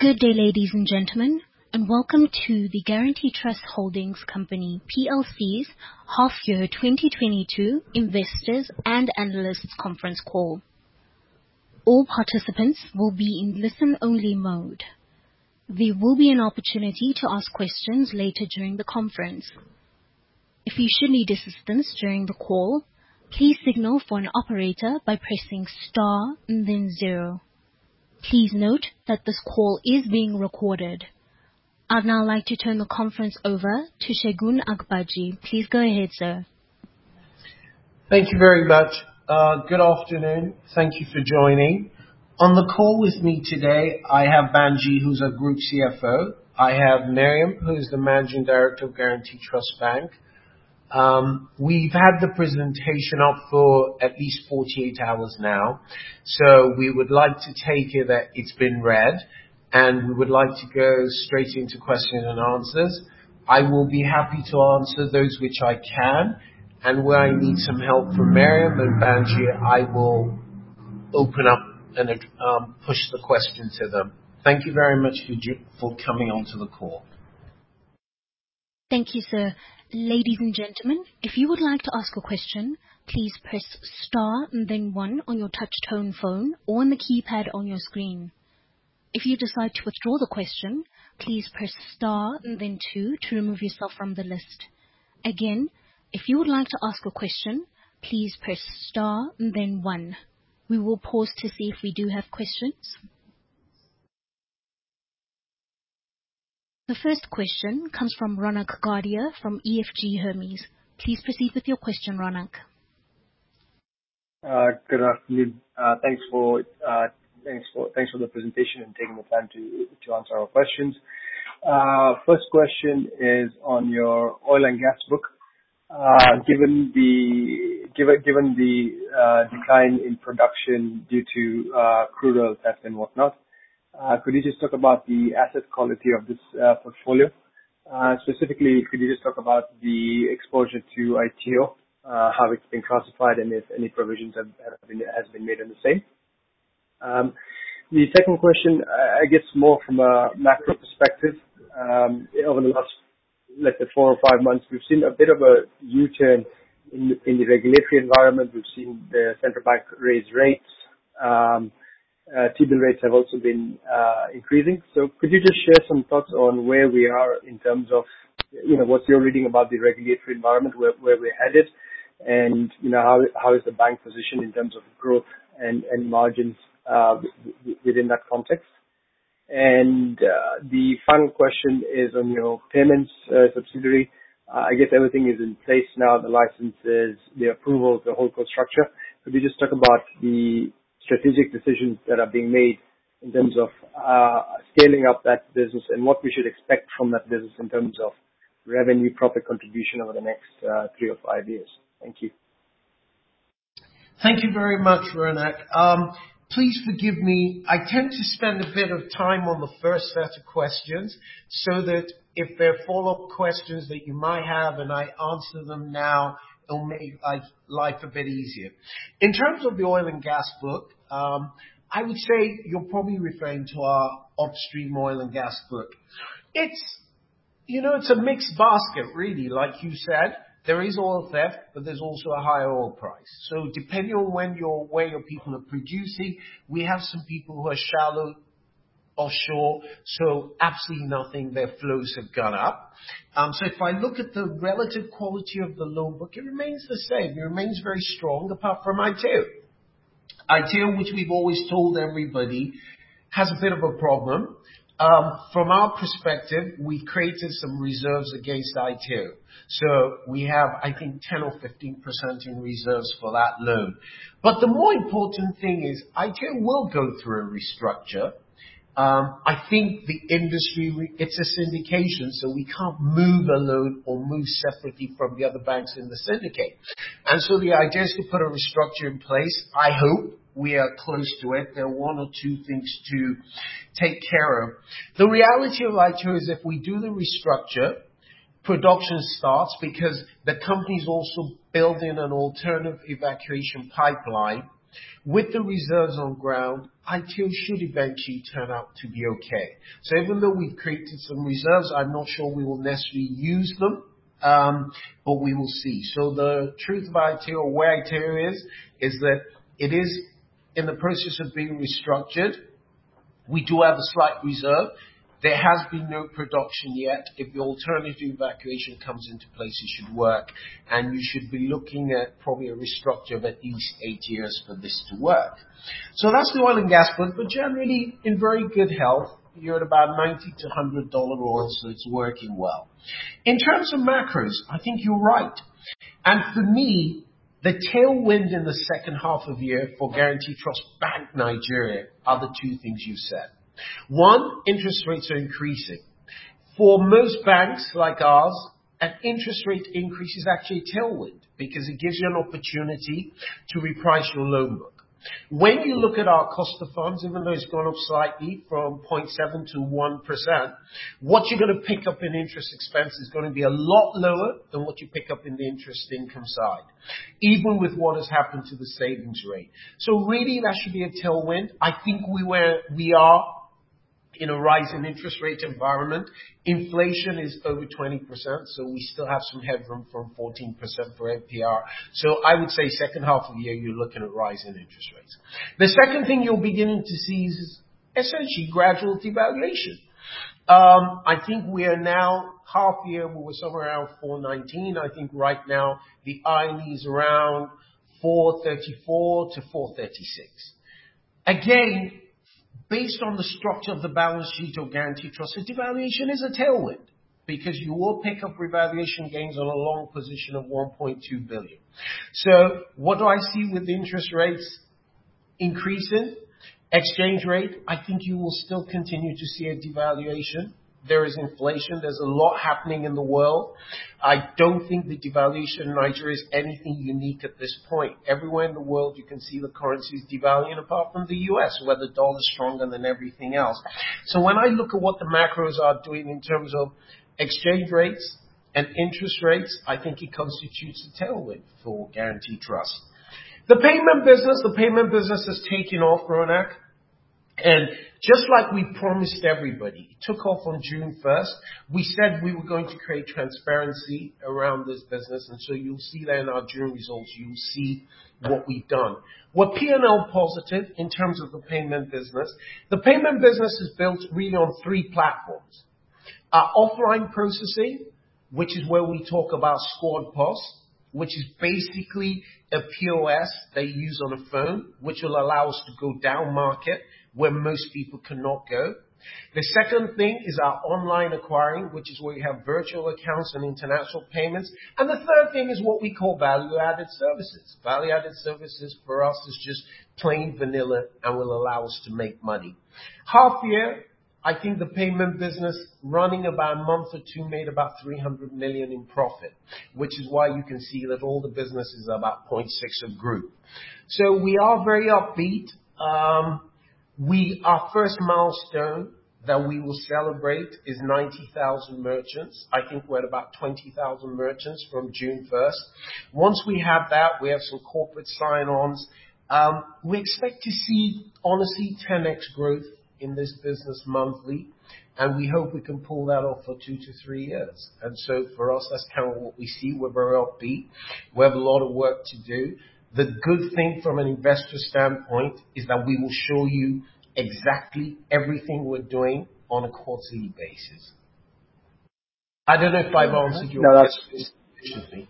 Good day, ladies and gentlemen, and welcome to the Guaranty Trust Holding Company Plc's half year 2022 investors and analysts conference call. All participants will be in listen only mode. There will be an opportunity to ask questions later during the conference. If you should need assistance during the call, please signal for an operator by pressing star and then zero. Please note that this call is being recorded. I'd now like to turn the conference over to Segun Agbaje. Please go ahead, sir. Thank you very much. Good afternoon. Thank you for joining. On the call with me today, I have Banji, who's our Group CFO. I have Miriam, who is the Managing Director of Guaranty Trust Bank. We've had the presentation up for at least 48 hours now, so we would like to take it that it's been read, and we would like to go straight into question and answers. I will be happy to answer those which I can. Where I need some help from Miriam and Banji, I will open up and push the question to them. Thank you very much for coming onto the call. Thank you, sir. Ladies and gentlemen, if you would like to ask a question, please press star and then one on your touch tone phone or on the keypad on your screen. If you decide to withdraw the question, please press star and then two to remove yourself from the list. Again, if you would like to ask a question, please press star and then one. We will pause to see if we do have questions. The first question comes from Ronak Gadhia from EFG Hermes. Please proceed with your question, Ronak. Good afternoon. Thanks for the presentation and taking the time to answer our questions. First question is on your oil and gas book. Given the decline in production due to crude oil theft and whatnot, could you just talk about the asset quality of this portfolio? Specifically, could you just talk about the exposure to Aiteo, how it's been classified and if any provisions have been made on the same? The second question, I guess more from a macro perspective. Over the last, let's say four or five months, we've seen a bit of a U-turn in the regulatory environment. We've seen the central bank raise rates. T-bill rates have also been increasing. Could you just share some thoughts on where we are in terms of, you know, what's your reading about the regulatory environment, where we're headed, and, you know, how is the bank positioned in terms of growth and margins, within that context? The final question is on your payments subsidiary. I guess everything is in place now, the licenses, the approval of the whole core structure. Could we just talk about the strategic decisions that are being made in terms of, scaling up that business and what we should expect from that business in terms of revenue, profit contribution over the next, three-five years? Thank you. Thank you very much, Ronak. Please forgive me. I tend to spend a bit of time on the first set of questions so that if there are follow-up questions that you might have, and I answer them now, it'll make life a bit easier. In terms of the oil and gas book, I would say you're probably referring to our upstream oil and gas book. It's, you know, it's a mixed basket really. Like you said, there is oil theft, but there's also a higher oil price. Depending on when your, where your people are producing, we have some people who are shallow offshore, so absolutely nothing, their flows have gone up. If I look at the relative quality of the loan book, it remains the same. It remains very strong apart from Aiteo. Aiteo, which we've always told everybody, has a bit of a problem. From our perspective, we created some reserves against Aiteo. We have, I think, 10% or 15% in reserves for that loan. The more important thing is Aiteo will go through a restructure. I think the industry, it's a syndication, so we can't move a loan or move separately from the other banks in the syndicate. The idea is to put a restructure in place. I hope we are close to it. There are one or two things to take care of. The reality of Aiteo is if we do the restructure, production starts because the company's also building an alternative evacuation pipeline. With the reserves on ground, Aiteo should eventually turn out to be okay. Even though we've created some reserves, I'm not sure we will necessarily use them, but we will see. The truth about Aiteo or where Aiteo is that it is in the process of being restructured. We do have a slight reserve. There has been no production yet. If the alternative evacuation comes into place, it should work, and we should be looking at probably a restructure of at least eight years for this to work. That's the oil and gas part. Generally, in very good health. You're at about $90-$100 oil, so it's working well. In terms of macros, I think you're right. For me, the tailwind in the second half of the year for Guaranty Trust Bank Nigeria are the two things you said. One, interest rates are increasing. For most banks like ours, an interest rate increase is actually a tailwind because it gives you an opportunity to reprice your loan book. When you look at our cost of funds, even though it's gone up slightly from 0.7% to 1%, what you're gonna pick up in interest expense is gonna be a lot lower than what you pick up in the interest income side, even with what has happened to the savings rate. Really that should be a tailwind. I think we are in a rise in interest rate environment, inflation is over 20%, so we still have some headroom from 14% for APR. I would say second half of the year, you're looking at rise in interest rates. The second thing you're beginning to see is essentially gradual devaluation. I think we are now half year, we were somewhere around 419. I think right now the I&E is around 434-436. Again, based on the structure of the balance sheet of Guaranty Trust, devaluation is a tailwind because you will pick up revaluation gains on a long position of $1.2 billion. What do I see with interest rates increases? Exchange rate, I think you will still continue to see a devaluation. There is inflation. There's a lot happening in the world. I don't think the devaluation in Nigeria is anything unique at this point. Everywhere in the world you can see the currency is devaluing, apart from the U.S., where the dollar is stronger than everything else. When I look at what the macros are doing in terms of exchange rates and interest rates, I think it constitutes a tailwind for Guaranty Trust. The payment business. The payment business is taking off, Ronak, and just like we promised everybody, it took off on June first. We said we were going to create transparency around this business, and so you'll see that in our June results. You will see what we've done. We're P&L positive in terms of the payment business. The payment business is built really on three platforms. Our offline processing, which is where we talk about SquadPOS, which is basically a POS they use on a phone, which will allow us to go down market where most people cannot go. The second thing is our online acquiring, which is where you have virtual accounts and international payments. The third thing is what we call value-added services. Value-added services for us is just plain vanilla and will allow us to make money. Half year, I think the payment business running about a month or two made about 300 million in profit. Which is why you can see that all the businesses are about 0.6 of group. We are very upbeat. Our first milestone that we will celebrate is 90,000 merchants. I think we're at about 20,000 merchants from June 1. Once we have that, we have some corporate sign-ons. We expect to see, honestly, 10x growth in this business monthly, and we hope we can pull that off for two-three years. For us, that's kind of what we see. We're very upbeat. We have a lot of work to do. The good thing from an investor standpoint is that we will show you exactly everything we're doing on a quarterly basis. I don't know if I've answered your question. No, that's perfectly.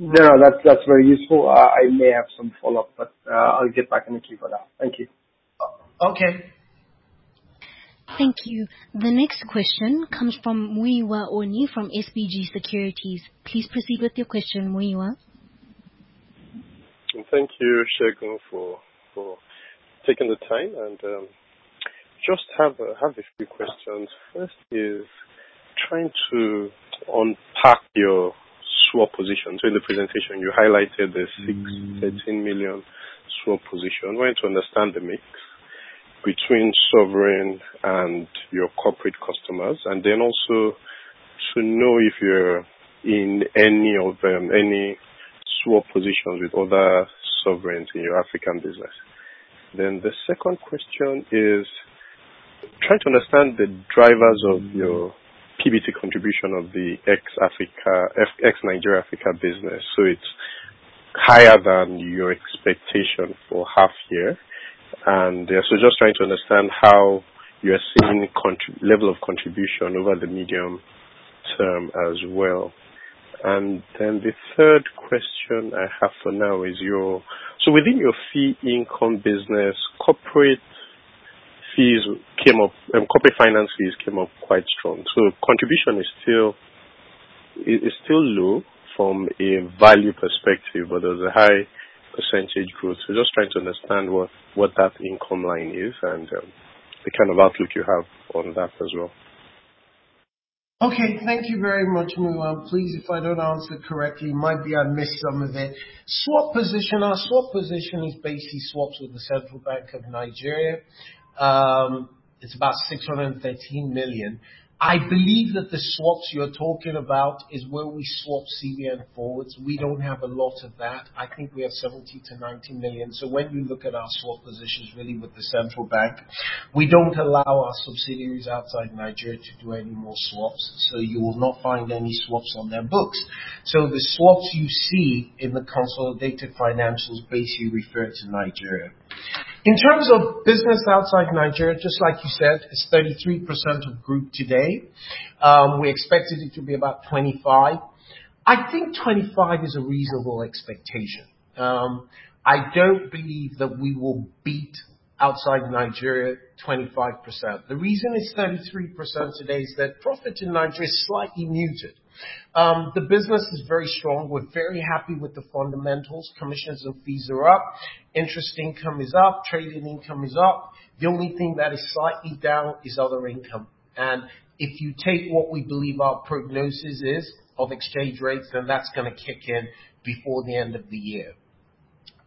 No, that's very useful. I may have some follow-up, but I'll get back in the queue for that. Thank you. O-okay. Thank you. The next question comes from Muyiwa Oni from SBG Securities. Please proceed with your question, Muyiwa. Thank you, Segun, for taking the time, and just have a few questions. First is trying to unpack your swap position. In the presentation, you highlighted the 613 million swap position. Wanted to understand the mix between sovereign and your corporate customers, and then also to know if you're in any swap positions with other sovereigns in your African business. The second question is trying to understand the drivers of your PBT contribution of the ex-Nigeria Africa business. It's higher than your expectation for half year. Just trying to understand how you are seeing level of contribution over the medium term as well. The third question I have for now is your. Within your fee income business, corporate fees came up, and corporate finance fees came up quite strong. Contribution is still low from a value perspective, but there's a high percentage growth. Just trying to understand what that income line is and the kind of outlook you have on that as well. Okay. Thank you very much, Muyiwa. Please, if I don't answer correctly, might be I missed some of it. Swap position. Our swap position is basically swaps with the Central Bank of Nigeria. It's about 613 million. I believe that the swaps you're talking about is where we swap CBN forwards. We don't have a lot of that. I think we have 70 million-90 million. When you look at our swap positions really with the Central Bank, we don't allow our subsidiaries outside Nigeria to do any more swaps. You will not find any swaps on their books. The swaps you see in the consolidated financials basically refer to Nigeria. In terms of business outside Nigeria, just like you said, it's 33% of group today. We expected it to be about 25%. I think 25% is a reasonable expectation. I don't believe that we will beat outside Nigeria 25%. The reason it's 33% today is that profit in Nigeria is slightly muted. The business is very strong. We're very happy with the fundamentals. Commissions and fees are up, interest income is up, trading income is up. The only thing that is slightly down is other income. If you take what we believe our prognosis is of exchange rates, then that's gonna kick in before the end of the year.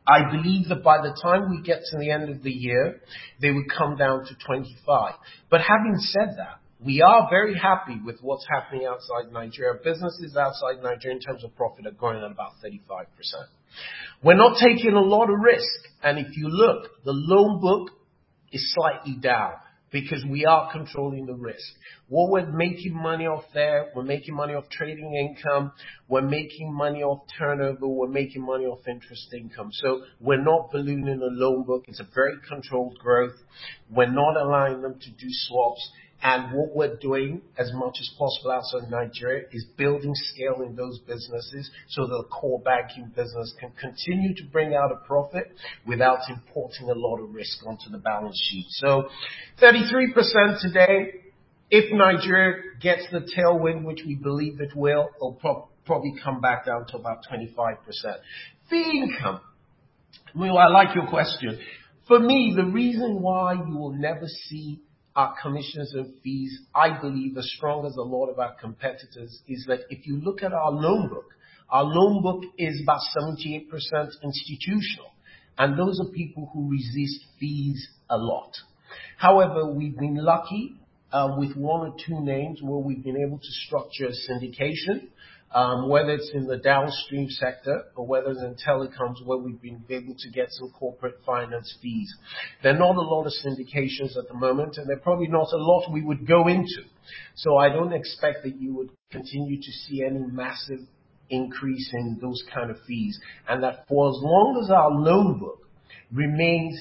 I believe that by the time we get to the end of the year, they would come down to 25. Having said that, we are very happy with what's happening outside Nigeria. Businesses outside Nigeria, in terms of profit, are growing at about 35%. We're not taking a lot of risk, and if you look, the loan book is slightly down because we are controlling the risk. What we're making money off there, we're making money off trading income, we're making money off turnover, we're making money off interest income. We're not ballooning the loan book. It's a very controlled growth. We're not allowing them to do swaps. What we're doing as much as possible outside Nigeria is building scale in those businesses so the core banking business can continue to bring out a profit without importing a lot of risk onto the balance sheet. Thirty-three percent today, if Nigeria gets the tailwind, which we believe it will, it'll probably come back down to about 25%. Fee income. Muyiwa, I like your question. For me, the reason why you will never see our commissions and fees, I believe, as strong as a lot of our competitors, is that if you look at our loan book, our loan book is about 78% institutional, and those are people who resist fees a lot. However, we've been lucky, with one or two names where we've been able to structure a syndication, whether it's in the downstream sector or whether it's in telecoms where we've been able to get some corporate finance fees. They're not a lot of syndications at the moment, and they're probably not a lot we would go into. I don't expect that you would continue to see any massive increase in those kind of fees. That for as long as our loan book remains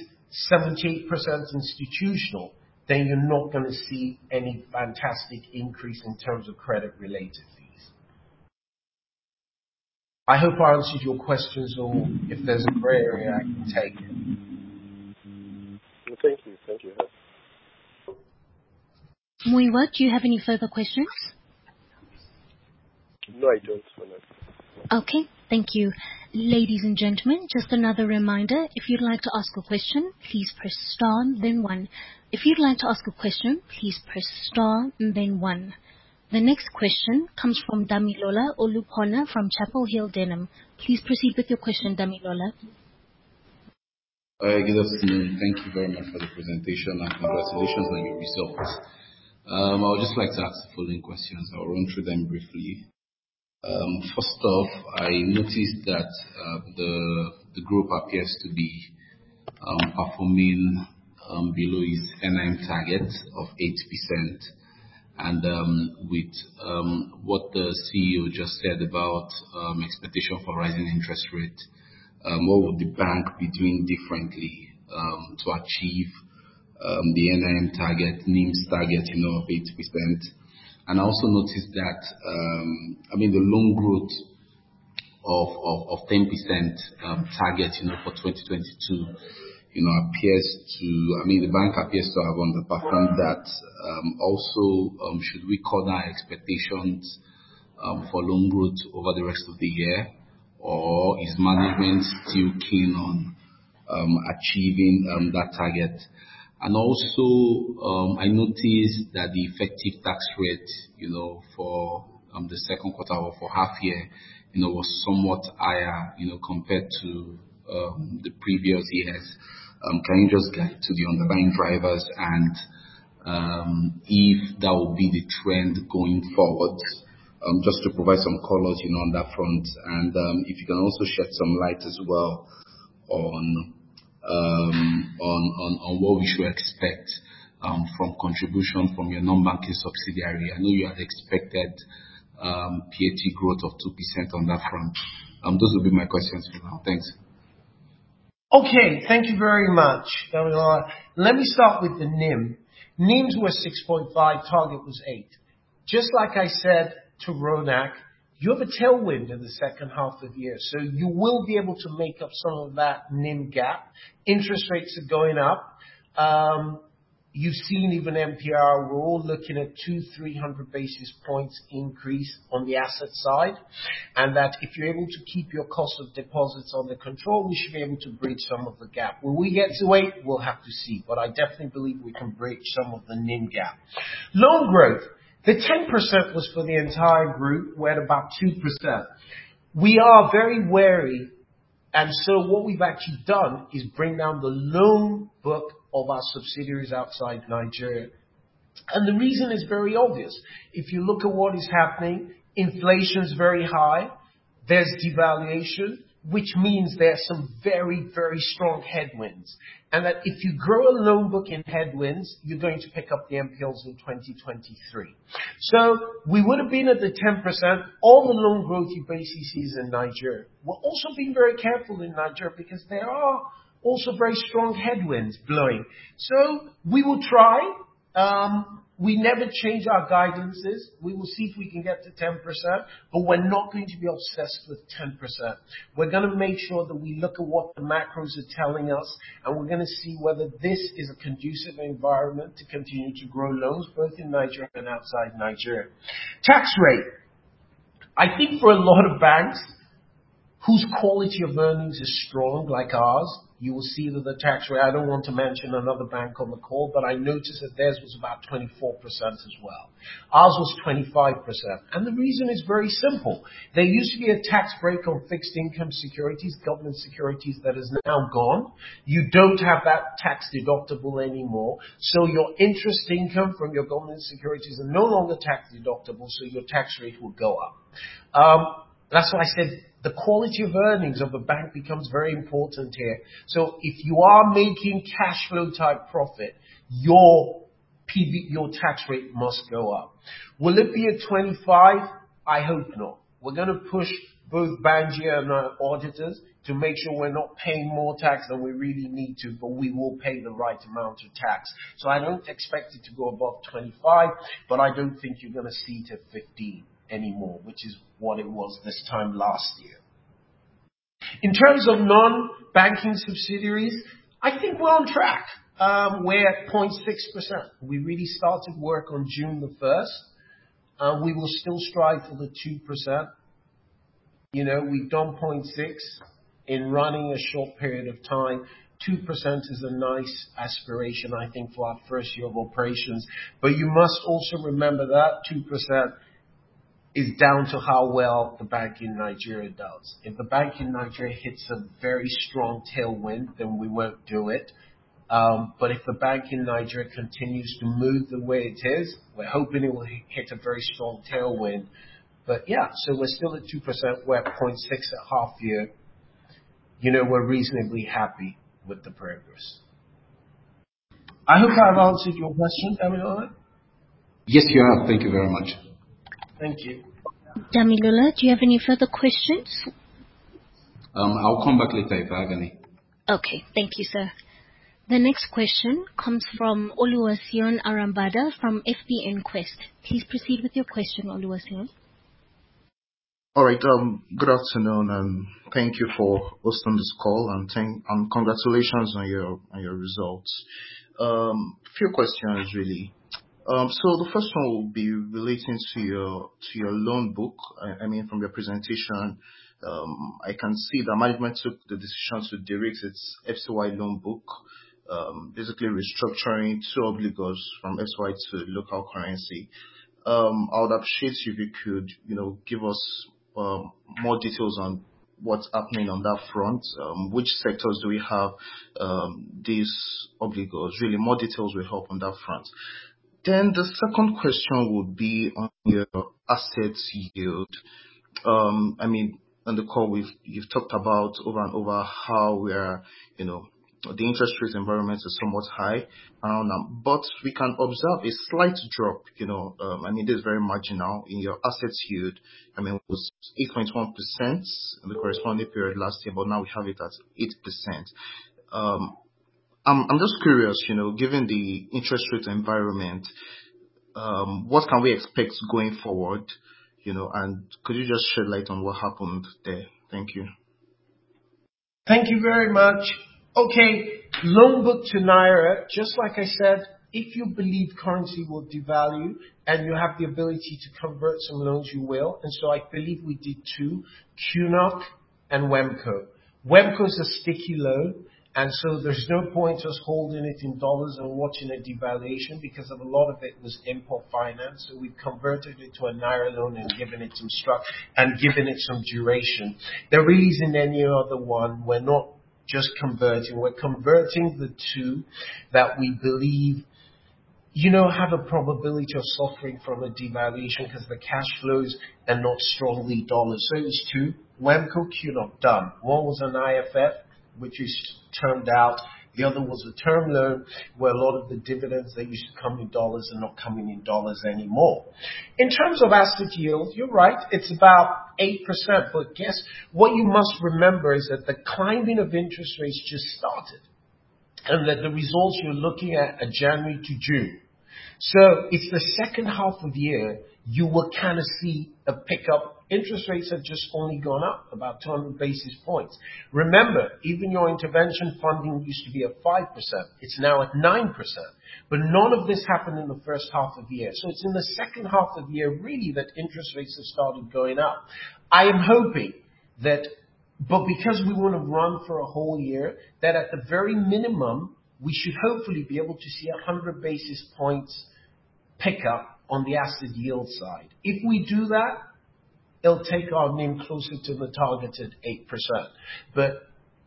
78% institutional, then you're not gonna see any fantastic increase in terms of credit-related fees. I hope I answered your questions or if there's a gray area, I can take it. Thank you. Thank you. Muyiwa, do you have any further questions? No, I don't for now. Okay, thank you. Ladies and gentlemen, just another reminder, if you'd like to ask a question, please press star then one. If you'd like to ask a question, please press star then one. The next question comes from Damilola Olupona from Chapel Hill Denham. Please proceed with your question, Damilola. Good afternoon. Thank you very much for the presentation and congratulations on your results. I would just like to ask the following questions. I'll run through them briefly. First off, I noticed that the group appears to be performing below its NIM target of 8%. With what the CEO just said about expectation for rising interest rates, what would the bank be doing differently to achieve the NIM target, you know, of 8%? I also noticed that, I mean, the loan growth of 10% target, you know, for 2022, you know, I mean, the bank appears to have underperformed that. Also, should we scale our expectations for loan growth over the rest of the year? Is management still keen on achieving that target? Also, I noticed that the effective tax rate, you know, for the second quarter or for half year, you know, was somewhat higher, you know, compared to the previous years. Can you just get to the underlying drivers and if that will be the trend going forward? Just to provide some color, you know, on that front, and if you can also shed some light as well on what we should expect from contribution from your non-banking subsidiary. I know you had expected PAT growth of 2% on that front. Those will be my questions for now. Thanks. Okay. Thank you very much, Damilola. Let me start with the NIM. NIMs were 6.5, target was 8. Just like I said to Ronak, you have a tailwind in the second half of the year, so you will be able to make up some of that NIM gap. Interest rates are going up. You've seen even MPR, we're all looking at 200-300 basis points increase on the asset side. That if you're able to keep your cost of deposits under control, we should be able to bridge some of the gap. Will we get to eight? We'll have to see, but I definitely believe we can bridge some of the NIM gap. Loan growth. The 10% was for the entire group. We're at about 2%. We are very wary. What we've actually done is bring down the loan book of our subsidiaries outside Nigeria. The reason is very obvious. If you look at what is happening, inflation is very high. There's devaluation, which means there are some very, very strong headwinds. That if you grow a loan book in headwinds, you're going to pick up the NPLs in 2023. We would have been at the 10%. All the loan growth you basically see is in Nigeria. We're also being very careful in Nigeria because there are also very strong headwinds blowing. We will try. We never change our guidances. We will see if we can get to 10%, but we're not going to be obsessed with 10%. We're gonna make sure that we look at what the macros are telling us, and we're gonna see whether this is a conducive environment to continue to grow loans, both in Nigeria and outside Nigeria. Tax rate. I think for a lot of banks whose quality of earnings is strong, like ours, you will see that the tax rate, I don't want to mention another bank on the call, but I noticed that theirs was about 24% as well. Ours was 25%. The reason is very simple. There used to be a tax break on fixed income securities, government securities, that is now gone. You don't have that tax deductible anymore. So your interest income from your government securities are no longer tax deductible, so your tax rate will go up. That's why I said the quality of earnings of a bank becomes very important here. If you are making cash flow type profit, your tax rate must go up. Will it be at 25%? I hope not. We're gonna push both Banji and our auditors to make sure we're not paying more tax than we really need to, but we will pay the right amount of tax. I don't expect it to go above 25%, but I don't think you're gonna see it at 15% anymore, which is what it was this time last year. In terms of non-banking subsidiaries, I think we're on track. We're at 0.6%. We really started work on June the first. We will still strive for the 2%. You know, we've done 0.6 in a short period of time. 2% is a nice aspiration, I think, for our first year of operations. You must also remember that 2% is down to how well the bank in Nigeria does. If the bank in Nigeria hits a very strong tailwind, then we won't do it. But if the bank in Nigeria continues to move the way it is, we're hoping it will hit a very strong tailwind. Yeah, we're still at 2%. We're at 0.6 at half year. You know, we're reasonably happy with the progress. I hope I've answered your question, Damilola. Yes, you have. Thank you very much. Thank you. Damilola, do you have any further questions? I'll come back later, if I have any. Okay. Thank you, sir. The next question comes from Oluwaseun Arambada from FBNQuest. Please proceed with your question, Oluwaseun. All right. Good afternoon, and thank you for hosting this call. Congratulations on your results. Few questions really. The first one will be relating to your loan book. I mean, from your presentation, I can see that management took the decision to de-risk its FCY loan book, basically restructuring two obligors from FCY to local currency. I would appreciate if you could give us more details on what's happening on that front. Which sectors do we have these obligors? More details will help on that front. The second question would be on your asset yield. I mean, on the call you've talked about over and over how the interest rate environment is somewhat high. We can observe a slight drop, you know. I mean, it is very marginal in your assets yield. I mean, it was 8.1% in the corresponding period last year, but now we have it at 8%. I'm just curious, you know, given the interest rate environment, what can we expect going forward, you know? Could you just shed light on what happened there? Thank you. Thank you very much. Okay. Loan book to naira, just like I said, if you believe currency will devalue, and you have the ability to convert some loans, you will. I believe we did two, NNPC and WEMPCO. WEMPCO is a sticky loan, and so there's no point us holding it in dollars or watching a devaluation because a lot of it was import finance. We've converted it to a naira loan and given it some duration. The reason any other one, we're not just converting. We're converting the two that we believe, you know, have a probability of suffering from a devaluation, 'cause the cash flows are not strongly dollars. It was two, WEMPCO, NNPC, done. One was an IFF, which has turned out. The other was a term loan where a lot of the dividends that used to come in dollars are not coming in dollars anymore. In terms of asset yield, you're right, it's about 8%. Guess what, you must remember is that the climbing of interest rates just started, and that the results you're looking at are January to June. It's the second half of the year, you will kind of see a pickup. Interest rates have just only gone up about 20 basis points. Remember, even your intervention funding used to be at 5%. It's now at 9%. None of this happened in the first half of the year. It's in the second half of the year really that interest rates have started going up. I am hoping that, but because we want to run for a whole year, that at the very minimum, we should hopefully be able to see 100 basis points pickup on the asset yield side. If we do that, it'll take our NIM closer to the target at 8%.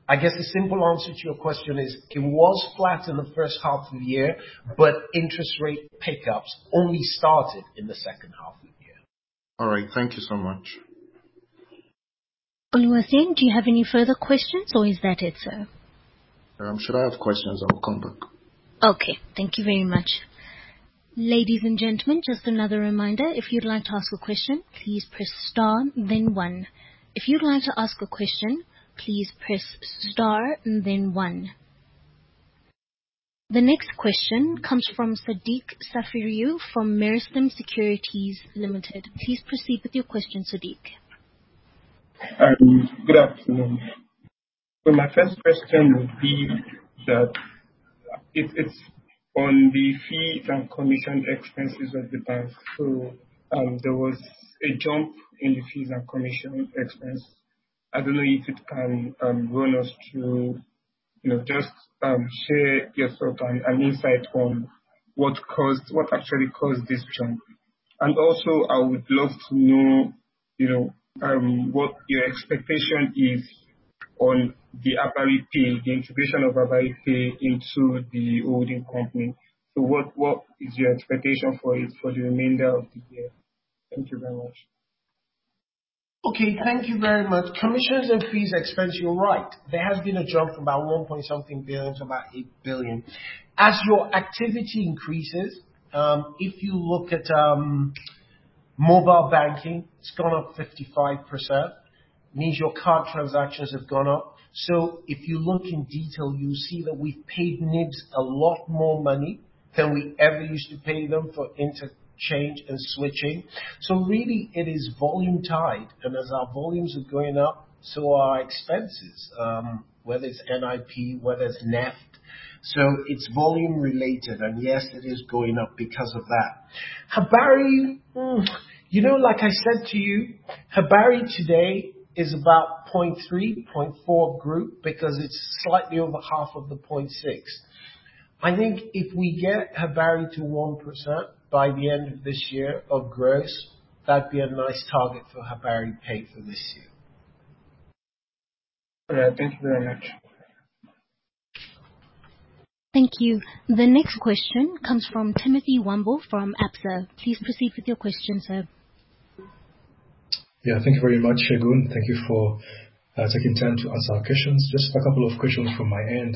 I guess the simple answer to your question is, it was flat in the first half of the year, but interest rate pickups only started in the second half of the year. All right. Thank you so much. Oluwaseun, do you have any further questions or is that it, sir? Should I have questions, I will come back. Okay. Thank you very much. Ladies and gentlemen, just another reminder, if you'd like to ask a question, please press star then one. If you'd like to ask a question, please press star then one. The next question comes from Sodiq Safiriyu from Meristem Securities Limited. Please proceed with your question, Sodiq. Good afternoon. My first question would be that it's on the fees and commission expenses of the bank. There was a jump in the fees and commission expense. I don't know if you can run us through, you know, just share your thought and insight on what actually caused this jump. Also, I would love to know, you know, what your expectation is. On the HabariPay, the integration of HabariPay into the holding company. What is your expectation for it for the remainder of the year? Thank you very much. Okay, thank you very much. Commissions and fees expense, you're right. There has been a jump from about NGN 1.something billion to about 8 billion. As your activity increases, if you look at mobile banking, it's gone up 55%. Means your card transactions have gone up. If you look in detail, you'll see that we've paid NIBSS a lot more money than we ever used to pay them for interchange and switching. Really it is volume tied. As our volumes are going up, so are our expenses, whether it's NIP, whether it's NEFT, so it's volume related. Yes, it is going up because of that. Habari, you know, like I said to you, Habari today is about 0.3, 0.4 group because it's slightly over half of the 0.6. I think if we get HabariPay to 1% by the end of this year of gross, that'd be a nice target for HabariPay for this year. All right. Thank you very much. Thank you. The next question comes from Timothy Wambu from Absa. Please proceed with your question, sir. Yeah. Thank you very much, Segun. Thank you for taking time to answer our questions. Just a couple of questions from my end.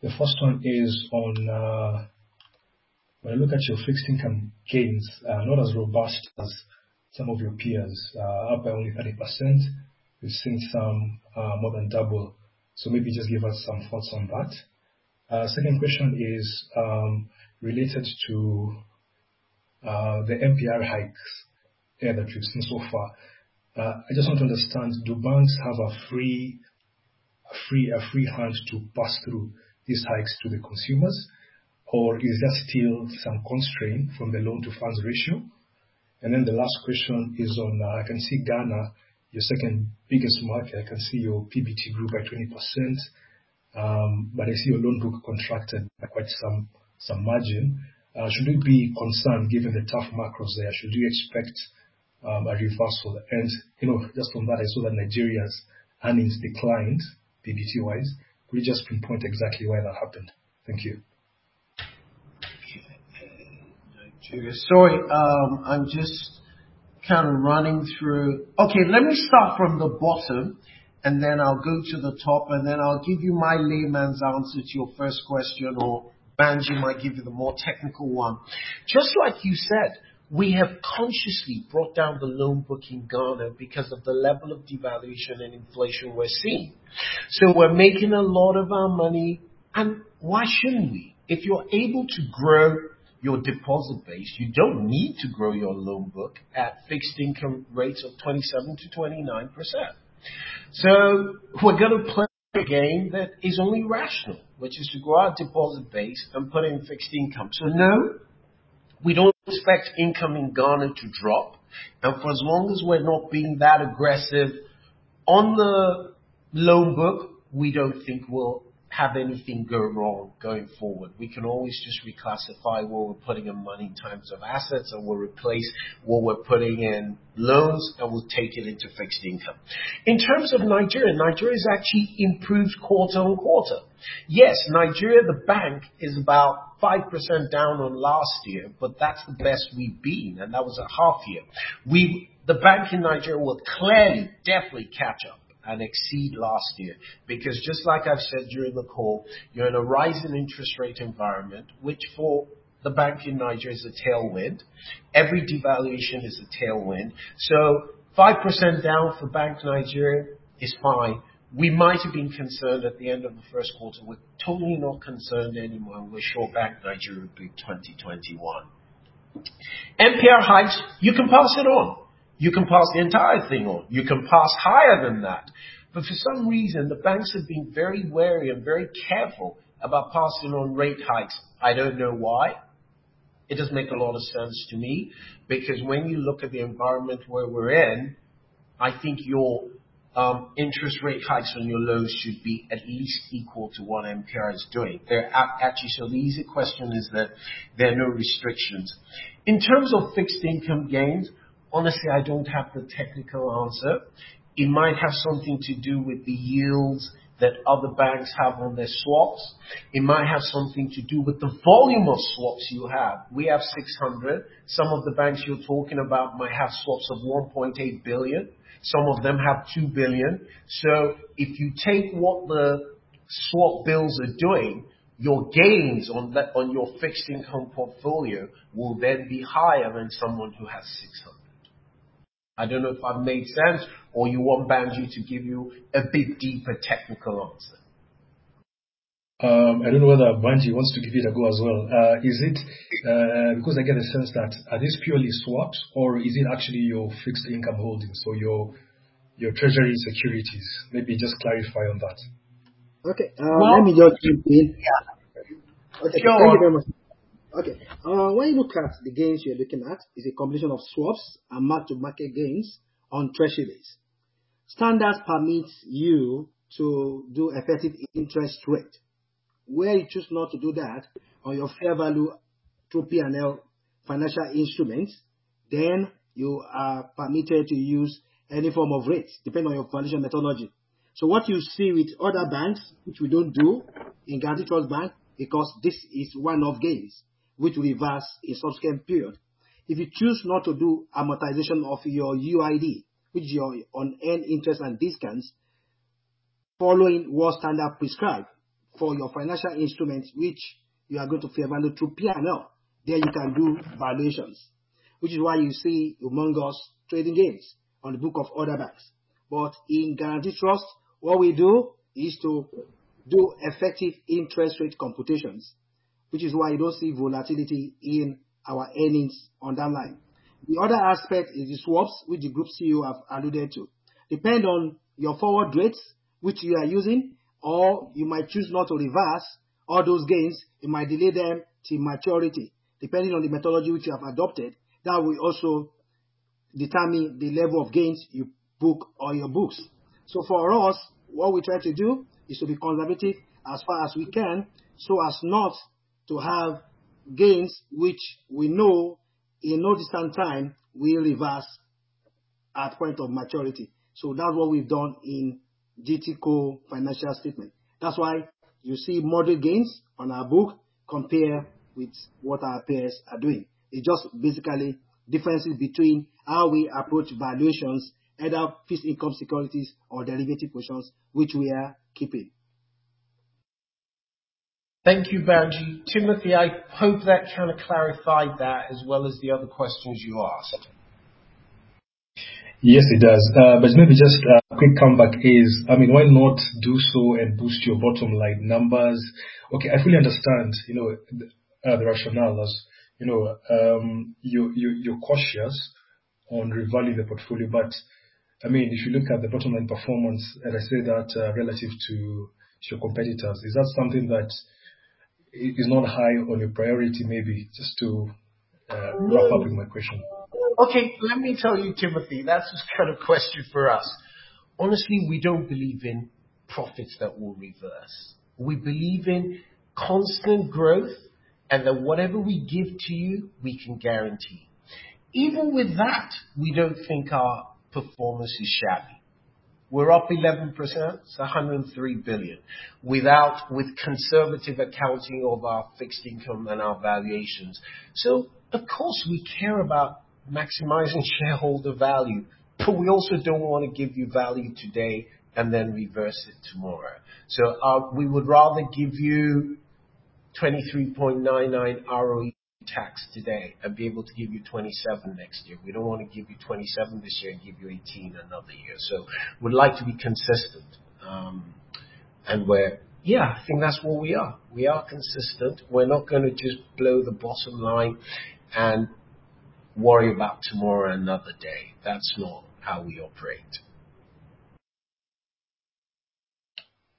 The first one is on when I look at your fixed income gains, not as robust as some of your peers, up only 30%. We've seen some more than double. Maybe just give us some thoughts on that. Second question is related to the MPR hikes that have been seen so far. I just want to understand, do banks have a free hand to pass through these hikes to the consumers? Or is there still some constraint from the loan-to-funds ratio? Then the last question is on I can see Ghana, your second-biggest market. I can see your PBT grew by 20%. I see your loan book contracted by quite some margin. Should we be concerned given the tough macros there? Should we expect a reversal? You know, just from that, I saw that Nigeria's earnings declined PBT wise. Could you just pinpoint exactly why that happened? Thank you. Okay. Sorry, let me start from the bottom, and then I'll go to the top, and then I'll give you my layman's answer to your first question, or Banji might give you the more technical one. Just like you said, we have consciously brought down the loan book in Ghana because of the level of devaluation and inflation we're seeing. We're making a lot of our money. Why shouldn't we? If you're able to grow your deposit base, you don't need to grow your loan book at fixed income rates of 27%-29%. We're gonna play a game that is only rational, which is to grow our deposit base and put it in fixed income. No, we don't expect income in Ghana to drop. For as long as we're not being that aggressive on the loan book, we don't think we'll have anything go wrong going forward. We can always just reclassify where we're putting in money in terms of assets, and we'll replace what we're putting in loans, and we'll take it into fixed income. In terms of Nigeria's actually improved quarter-over-quarter. Yes, Nigeria, the Bank Nigeria is about 5% down on last year, but that's the best we've been, and that was a half year. The banks in Nigeria will clearly definitely catch up and exceed last year because just like I've said during the call, you're in a rising interest rate environment, which for the Bank Nigeria is a tailwind. Every devaluation is a tailwind. So 5% down for the Bank Nigeria is fine. We might have been concerned at the end of the first quarter. We're totally not concerned anymore. We're sure the Bank Nigeria will beat 2021. MPR hikes, you can pass it on. You can pass the entire thing on. You can pass higher than that. For some reason, the banks have been very wary and very careful about passing on rate hikes. I don't know why. It doesn't make a lot of sense to me because when you look at the environment where we're in, I think your interest rate hikes on your loans should be at least equal to what MPR is doing. They're actually. The easy question is that there are no restrictions. In terms of fixed income gains, honestly, I don't have the technical answer. It might have something to do with the yields that other banks have on their swaps. It might have something to do with the volume of swaps you have. We have 600. Some of the banks you're talking about might have swaps of 1.8 billion. Some of them have 2 billion. If you take what the swap bills are doing, your gains on your fixed income portfolio will then be higher than someone who has 600. I don't know if I've made sense or you want Banji to give you a bit deeper technical answer. I don't know whether Banji wants to give it a go as well. Is it, because I get a sense that are these purely swaps or is it actually your fixed income holdings or your treasury securities? Maybe just clarify on that. Okay. Let me just jump in. Yeah. Okay. Thank you very much. Okay. When you look at the gains you're looking at is a combination of swaps and mark-to-market gains on treasuries. Standards permit you to do effective interest rate. Where you choose not to do that on your fair value through P&L financial instruments, then you are permitted to use any form of rates depending on your valuation methodology. What you see with other banks, which we don't do in Guaranty Trust Bank, because this is one-off gains which reverse in subsequent period. If you choose not to do amortization of your UID, which is your unearned interest and discounts following what standard prescribed for your financial instruments which you are going to fair value through P&L, then you can do valuations. Which is why you see humongous trading gains on the book of other banks. In Guaranty Trust, what we do is to do effective interest rate computations, which is why you don't see volatility in our earnings on that line. The other aspect is the swaps which the Group CEO have alluded to. Depend on your forward rates which you are using, or you might choose not to reverse all those gains. You might delay them till maturity, depending on the methodology which you have adopted. That will also determine the level of gains you book on your books. For us, what we try to do is to be conservative as far as we can so as not to have gains which we know in no distant time will reverse at point of maturity. That's what we've done in GTCO financial statement. That's why you see modest gains on our book compared with what our peers are doing. It's just basically differences between how we approach valuations and our fixed income securities or derivative positions which we are keeping. Thank you, Banji. Timothy, I hope that kind of clarified that as well as the other questions you asked. Yes, it does. But maybe just a quick comeback is, I mean, why not do so and boost your bottom line numbers? Okay, I fully understand, you know, the rationale as, you know, you're cautious on revaluing the portfolio, but I mean, if you look at the bottom line performance, and I say that relative to your competitors, is that something that is not high on your priority maybe, just to wrap up with my question? Okay. Let me tell you, Timothy, that's the kind of question for us. Honestly, we don't believe in profits that will reverse. We believe in constant growth, and that whatever we give to you, we can guarantee. Even with that, we don't think our performance is shabby. We're up 11%, 103 billion without conservative accounting of our fixed income and our valuations. Of course, we care about maximizing shareholder value, but we also don't wanna give you value today and then reverse it tomorrow. We would rather give you 23.99% ROE today and be able to give you 27% next year. We don't wanna give you 27% this year and give you 18% another year. We'd like to be consistent. I think that's what we are. We are consistent. We're not gonna just blow the bottom line and worry about tomorrow another day. That's not how we operate.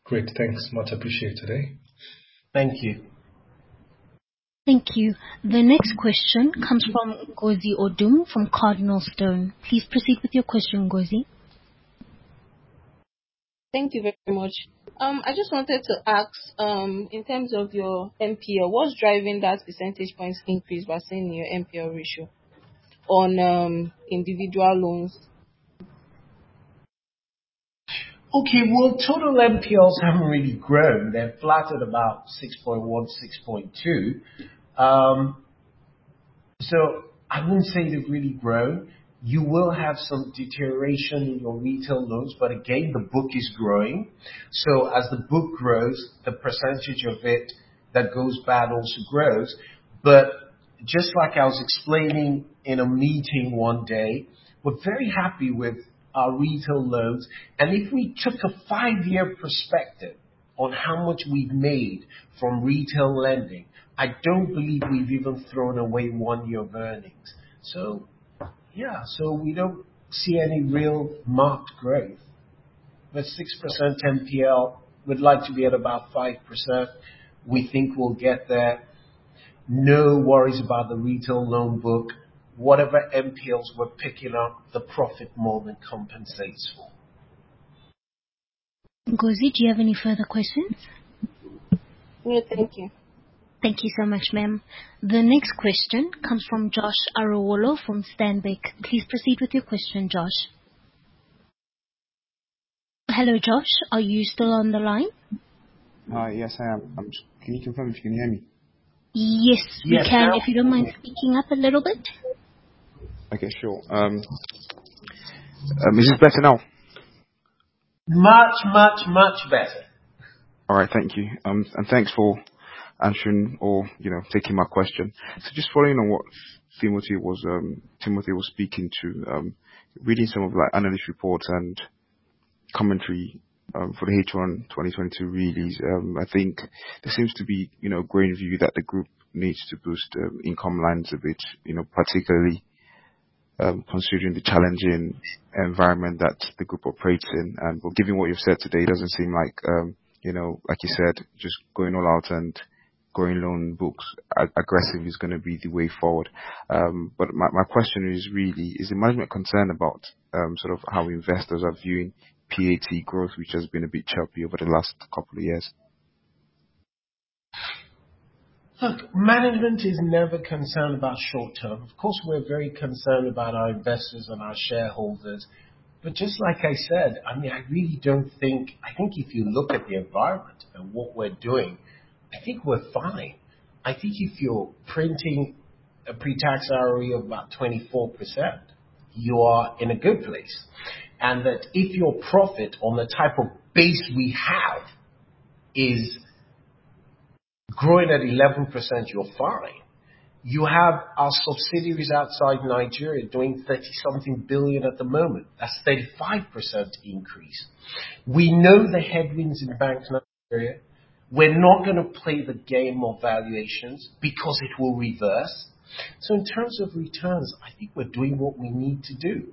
Great. Thanks much. Appreciate today. Thank you. Thank you. The next question comes from Ngozi Odum from CardinalStone. Please proceed with your question, Ngozi. Thank you very much. I just wanted to ask, in terms of your NPL, what's driving that percentage points increase we're seeing in your NPL ratio on individual loans? Okay. Well, total NPLs haven't really grown. They've flattened about 6.1%-6.2%. I wouldn't say they've really grown. You will have some deterioration in your retail loans, but again, the book is growing. As the book grows, the percentage of it that goes bad also grows. Just like I was explaining in a meeting one day, we're very happy with our retail loans. If we took a five-year perspective on how much we've made from retail lending, I don't believe we've even thrown away one year of earnings. Yeah. We don't see any real marked growth. 6% NPL, we'd like to be at about 5%. We think we'll get there. No worries about the retail loan book. Whatever NPLs we're picking up, the profit more than compensates for. Ngozi, do you have any further questions? No, thank you. Thank you so much, ma'am. The next question comes from Josh Arowolo from Stanbic. Please proceed with your question, Josh. Hello, Josh, are you still on the line? Yes, I am. Can you confirm if you can hear me? Yes, we can. If you don't mind speaking up a little bit. Okay, sure. Is this better now? Much better. All right. Thank you. And thanks for answering or, you know, taking my question. Just following on what Timothy was speaking to, reading some of the analyst reports and commentary for the H1, 2022 release, I think there seems to be, you know, a growing view that the group needs to boost income lines a bit, you know, particularly considering the challenging environment that the group operates in. Given what you've said today, it doesn't seem like, you know, like you said, just going all out and growing loan books aggressively is gonna be the way forward. My question is really, is the management concerned about sort of how investors are viewing PAT growth, which has been a bit choppy over the last couple of years? Look, management is never concerned about short-term. Of course, we're very concerned about our investors and our shareholders, but just like I said, I mean, I really don't think I think if you look at the environment and what we're doing, I think we're fine. I think if you're printing a pre-tax ROE of about 24%, you are in a good place. That if your profit on the type of base we have is growing at 11%, you're fine. You have our subsidiaries outside Nigeria doing 30-something billion at the moment. That's 35% increase. We know the headwinds in banks in Nigeria. We're not gonna play the game of valuations because it will reverse. In terms of returns, I think we're doing what we need to do.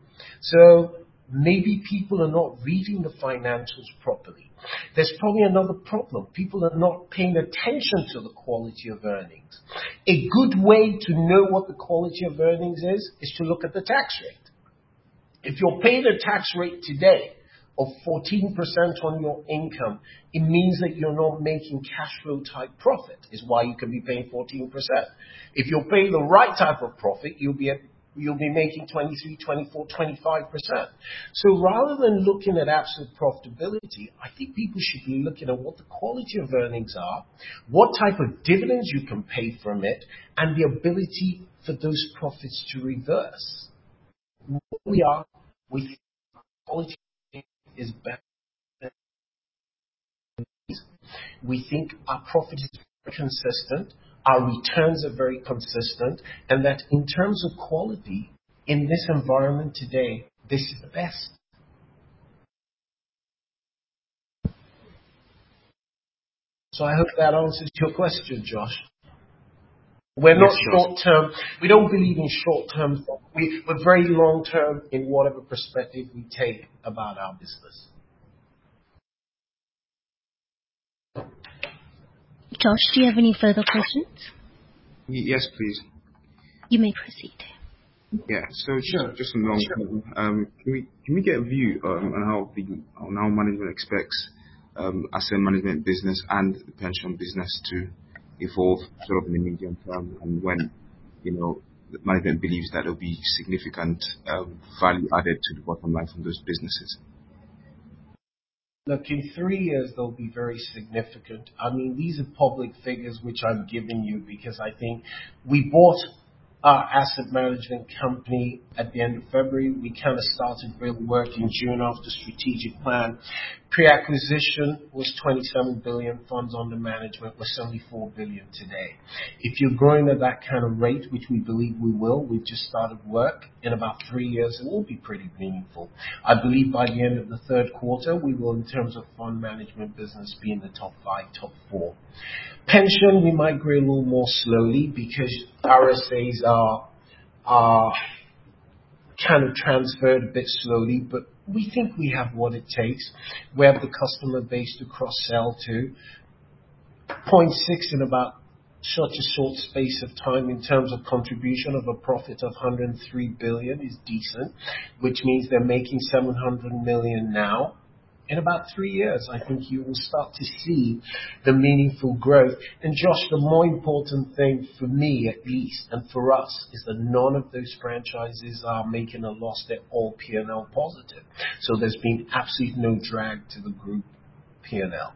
Maybe people are not reading the financials properly. There's probably another problem. People are not paying attention to the quality of earnings. A good way to know what the quality of earnings is to look at the tax rate. If you're paying a tax rate today of 14% on your income, it means that you're not making cash flow type profit, is why you could be paying 14%. If you're paying the right type of profit, you'll be making 23, 24, 25%. Rather than looking at absolute profitability, I think people should be looking at what the quality of earnings are, what type of dividends you can pay from it, and the ability for those profits to reverse. Where we are, we think our quality is better than. We think our profit is very consistent, our returns are very consistent, and that in terms of quality in this environment today, this is the best. I hope that answers your question, Josh. We're not short-term. We don't believe in short term. We're very long term in whatever perspective we take about our business. Josh, do you have any further questions? Yes, please. You may proceed. Yeah. Sure. Can we get a view on how management expects asset management business and the pension business to evolve sort of in the medium term, and when, you know, management believes that there'll be significant value added to the bottom line from those businesses? Look, in three years they'll be very significant. I mean, these are public figures which I'm giving you because I think we bought our asset management company at the end of February. We kind of started real work in June after strategic plan. Pre-acquisition was 27 billion. Funds under management were 74 billion today. If you're growing at that kind of rate, which we believe we will, we've just started work, in about three years it will be pretty meaningful. I believe by the end of the third quarter we will, in terms of fund management business, be in the top 5, top 4. Pension, we might grow a little more slowly because RSAs are kind of transferred a bit slowly, but we think we have what it takes. We have the customer base to cross-sell to. 0.6 in about such a short space of time in terms of contribution of a profit of 103 billion is decent, which means they're making 700 million now. In about three years, I think you will start to see the meaningful growth. Josh, the more important thing for me at least, and for us, is that none of those franchises are making a loss. They're all P&L positive. There's been absolutely no drag to the group P&L.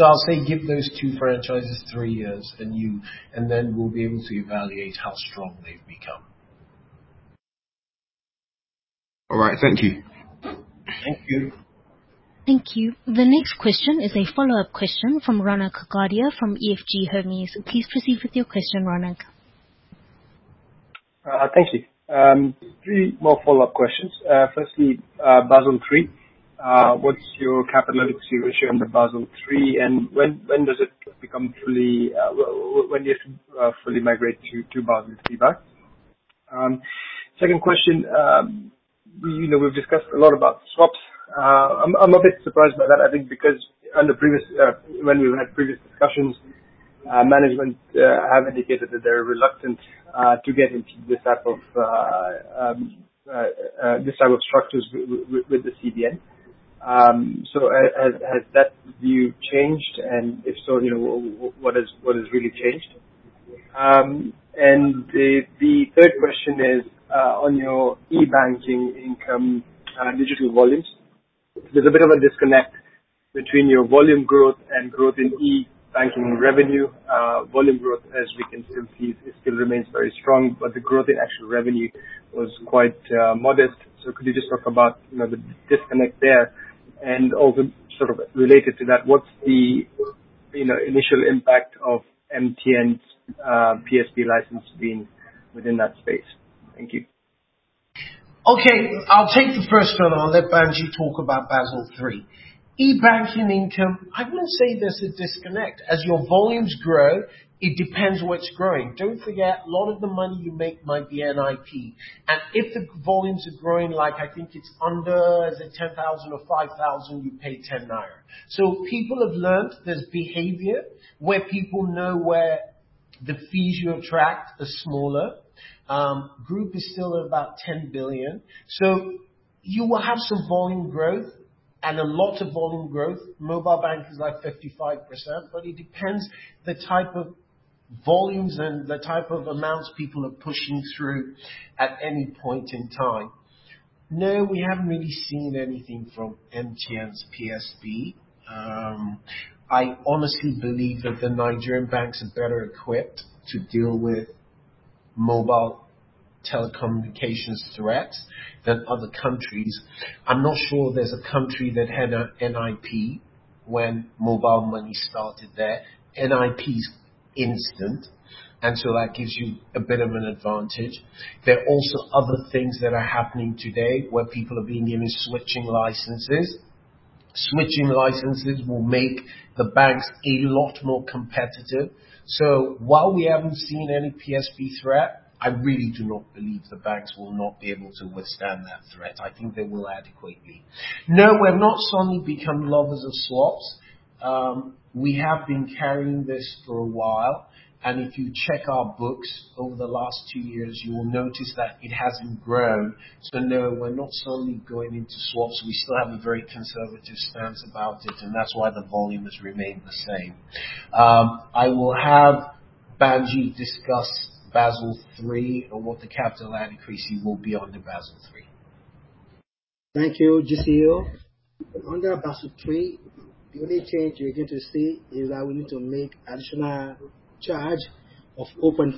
I'll say give those two franchises three years and then we'll be able to evaluate how strong they've become. All right. Thank you. Thank you. Thank you. The next question is a follow-up question from Ronak Gadhia from EFG Hermes. Please proceed with your question, Ronak. Thank you. Three more follow-up questions. Firstly, Basel III. What's your capital efficiency ratio under Basel III, and when do you expect to fully migrate to Basel III? Second question, you know, we've discussed a lot about swaps. I'm a bit surprised by that, I think because on the previous when we've had previous discussions, management have indicated that they're reluctant to get into this type of structures with the CBN. Has that view changed, and if so, you know, what has really changed? The third question is on your e-banking income, digital volumes. There's a bit of a disconnect between your volume growth and growth in e-banking revenue. Volume growth, as we can still see, it still remains very strong, but the growth in actual revenue was quite modest. Could you just talk about, you know, the disconnect there? Also sort of related to that, what's the, you know, initial impact of MTN's PSB license being within that space? Thank you. Okay, I'll take the first one. I'll let Banji talk about Basel III. E-banking income, I wouldn't say there's a disconnect. As your volumes grow, it depends what's growing. Don't forget, a lot of the money you make might be NIP, and if the volumes are growing, like I think it's under, is it 10,000 or 5,000, you pay 10 naira. People have learnt there's behavior where people know where the fees you attract are smaller. Group is still about 10 billion. You will have some volume growth and a lot of volume growth. Mobile bank is like 55%, but it depends the type of volumes and the type of amounts people are pushing through at any point in time. No, we haven't really seen anything from MTN's PSB. I honestly believe that the Nigerian banks are better equipped to deal with mobile telecommunications threats than other countries. I'm not sure there's a country that had a NIP when mobile money started there. NIP's instant, and that gives you a bit of an advantage. There are also other things that are happening today where people are beginning to switch licenses. Switching licenses will make the banks a lot more competitive. While we haven't seen any PSB threat, I really do not believe the banks will not be able to withstand that threat. I think they will adequately. No, we've not suddenly become lovers of swaps. We have been carrying this for a while, and if you check our books over the last two years, you will notice that it hasn't grown. No, we're not suddenly going into swaps. We still have a very conservative stance about it, and that's why the volume has remained the same. I will have Banji discuss Basel III and what the capital increases will be under Basel III. Thank you, GCEO. Under Basel III, the only change you're going to see is that we need to make additional charge of 0.5%,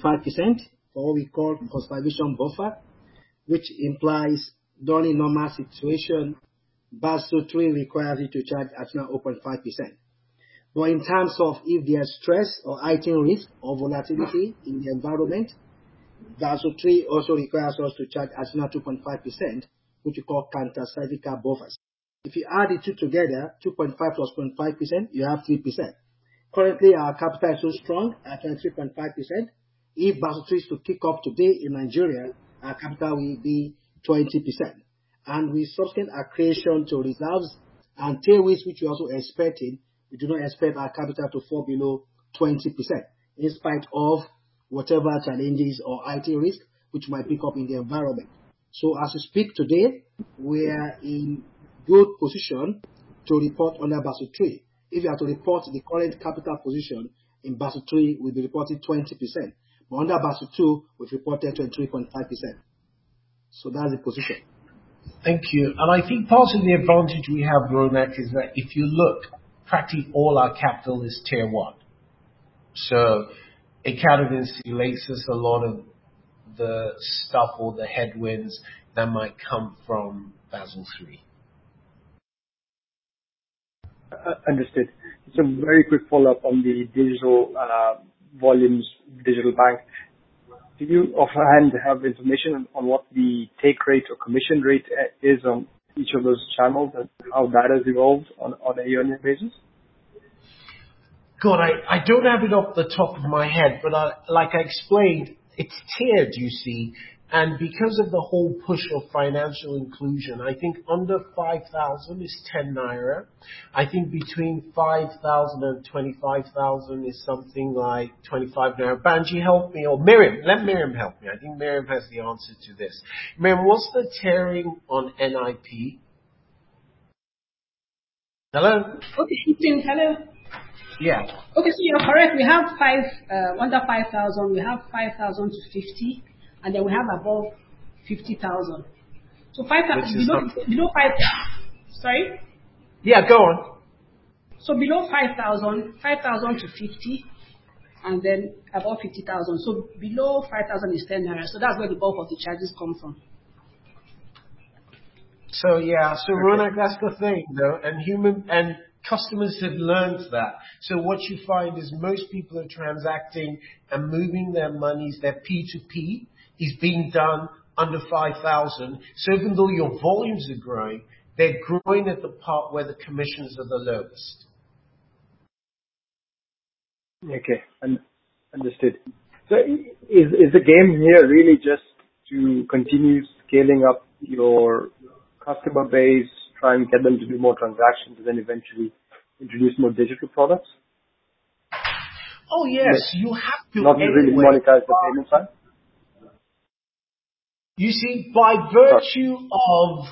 or we call capital conservation buffer. Which implies during normal situation, Basel III requires you to charge additional 0.5%. In terms of if there's stress or systemic risk or volatility in the environment, Basel III also requires us to charge up to 2.5%, which we call countercyclical capital buffer. If you add the two together, 2.5% plus 0.5%, you have 3%. Currently, our capital is so strong at 3.5%. If Basel III was to kick off today in Nigeria, our capital will be 20%. We sustain our CAR to reserves and Tier 1s, which we're also expecting. We do not expect our capital to fall below 20%, in spite of whatever challenges or credit risk which might pick up in the environment. As we speak today, we are in good position to report under Basel III. If you are to report the current capital position in Basel III, we'll be reporting 20%. Under Basel II, we've reported 23.5%. That's the position. Thank you. I think part of the advantage we have, Ronak, is that if you look, practically all our capital is Tier 1. It kind of insulates us a lot of the stuff or the headwinds that might come from Basel III. Understood. Very quick follow-up on the digital volumes, digital bank. Do you offhand have information on what the take rate or commission rate that is on each of those channels and how that has evolved on a year-on-year basis? God, I don't have it off the top of my head, but like I explained, it's tiered, you see. Because of the whole push of financial inclusion, I think under 5,000 is 10 naira. I think between 5,000 and 25,000 is something like 25 naira. Banji, help me. Or Miriam. Let Miriam help me. I think Miriam has the answer to this. Miriam, what's the tiering on NIP? Hello? Okay. Hello. Yeah. You're correct. We have under 5,000, we have 5,000-50,000, and then we have above 50,000. 50,000. Below five. Sorry? Yeah, go on. Below 5,000, 5,000 to 50,000 and then above 50,000. Below 5,000 is 10 naira. That's where the bulk of the charges come from. Yeah. Ronak, that's the thing, though. Customers have learned that. What you find is most people are transacting and moving their monies, their P2P is being done under 5,000. Even though your volumes are growing, they're growing at the part where the commissions are the lowest. Understood. Is the game here really just to continue scaling up your customer base, try and get them to do more transactions, and then eventually introduce more digital products? Oh, yes. You have to anyway. Not really monetize the payment side? You see, by virtue of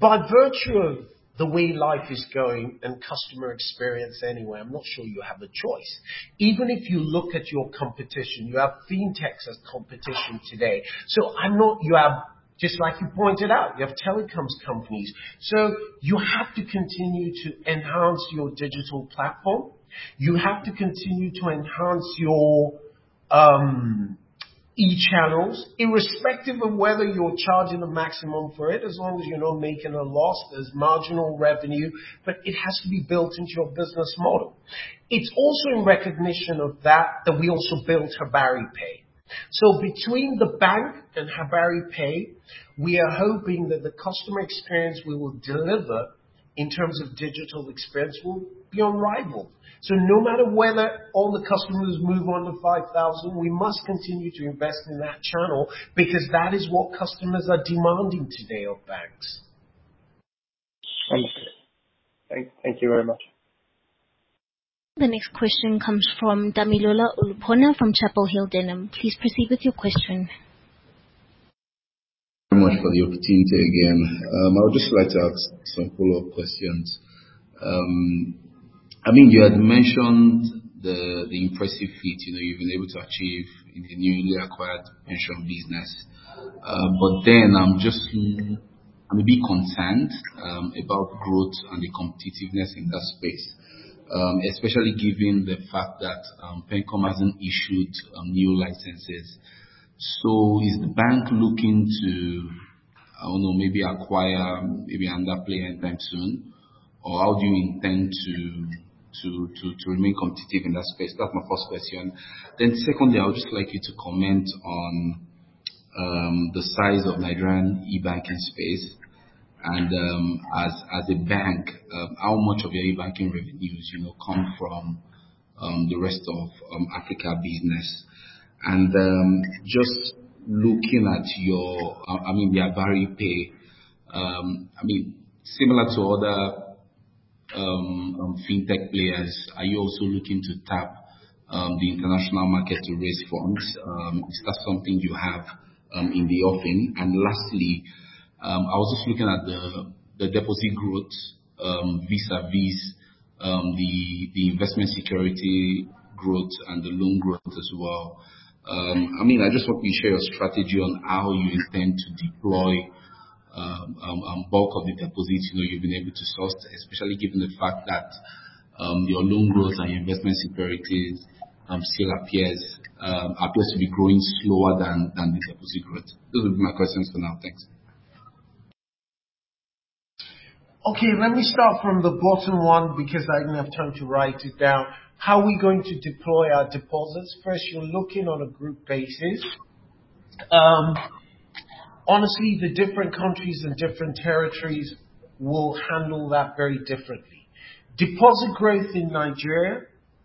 the way life is going and customer experience anyway, I'm not sure you have a choice. Even if you look at your competition, you have FinTech as competition today. You have, just like you pointed out, you have telecoms companies. You have to continue to enhance your digital platform. You have to continue to enhance your e-channels, irrespective of whether you're charging the maximum for it. As long as you're not making a loss, there's marginal revenue, but it has to be built into your business model. It's also in recognition of that we also built HabariPay. Between the bank and HabariPay, we are hoping that the customer experience we will deliver in terms of digital experience will be unrivaled. No matter whether all the customers move on to 5,000, we must continue to invest in that channel because that is what customers are demanding today of banks. Thank you very much. The next question comes from Damilola Olupona from Chapel Hill Denham. Please proceed with your question. Thank you very much for the opportunity again. I would just like to ask some follow-up questions. I mean, you had mentioned the impressive feat, you know, you've been able to achieve in the newly acquired insurance business. But then I'm just, I'm a bit concerned about growth and the competitiveness in that space, especially given the fact that PenCom hasn't issued new licenses. So is the bank looking to, I don't know, maybe acquire another player anytime soon? Or how do you intend to remain competitive in that space? That's my first question. Then secondly, I would just like you to comment on the size of Nigerian e-banking space and, as a bank, how much of your e-banking revenues, you know, come from the rest of Africa business? Just looking at your HabariPay, I mean, similar to other FinTech players, are you also looking to tap the international market to raise funds? Is that something you have in the offing? Lastly, I was just looking at the deposit growth vis-à-vis the investment securities growth and the loan growth as well. I mean, I just hope you share your strategy on how you intend to deploy bulk of the deposits, you know, you've been able to source, especially given the fact that your loan growth and your investment securities still appears to be growing slower than the deposit growth. Those are my questions for now. Thanks. Okay, let me start from the bottom one because I didn't have time to write it down. How are we going to deploy our deposits? First, you're looking on a group basis. Honestly, the different countries and different territories will handle that very differently. Deposit growth in Nigeria,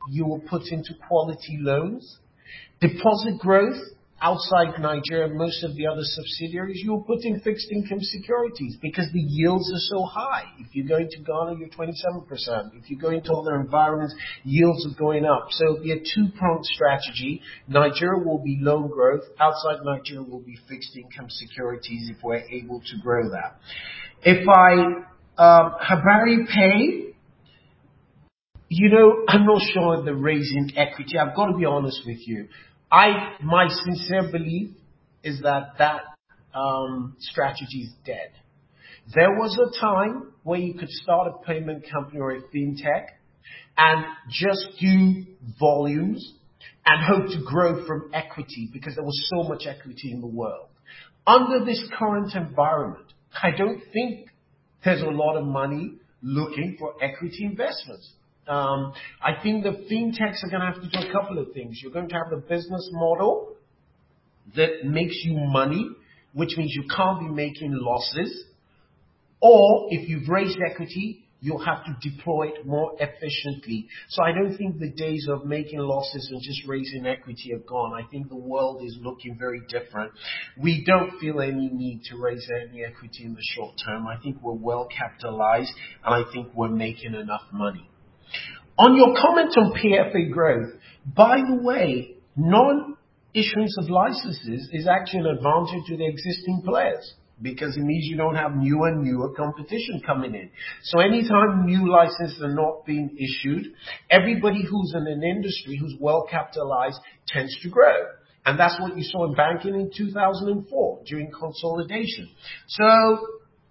you will put into quality loans. Deposit growth outside Nigeria, most of the other subsidiaries you'll put in fixed income securities because the yields are so high. If you're going to Ghana, you're at 27%. If you're going to other environments, yields are going up. So it'll be a two-pronged strategy. Nigeria will be loan growth. Outside Nigeria will be fixed income securities if we're able to grow that. HabariPay, you know, I'm not sure they're raising equity. I've got to be honest with you. My sincere belief is that strategy is dead. There was a time where you could start a payment company or a fintech and just do volumes and hope to grow from equity because there was so much equity in the world. Under this current environment, I don't think there's a lot of money looking for equity investments. I think the fintechs are gonna have to do a couple of things. You're going to have a business model that makes you money, which means you can't be making losses. If you've raised equity, you'll have to deploy it more efficiently. I don't think the days of making losses and just raising equity are gone. I think the world is looking very different. We don't feel any need to raise any equity in the short term. I think we're well capitalized, and I think we're making enough money. On your comment on PFA growth, by the way, non-issuance of licenses is actually an advantage to the existing players because it means you don't have newer and newer competition coming in. Anytime new licenses are not being issued, everybody who's in an industry who's well capitalized tends to grow. That's what you saw in banking in 2004 during consolidation.